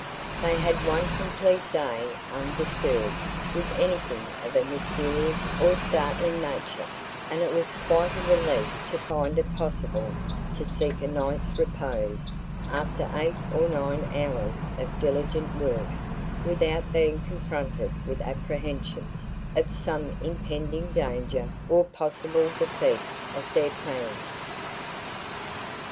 They had one complete day undisturbed with anything of a mysterious or startling nature, and it was quite a relief to find it possible to seek a night's repose after eight or nine hours of diligent work without being confronted with apprehensions of some impending danger or possible defeat of their plans.